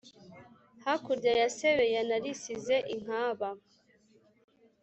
hakurya ya sebeya narisize inkaba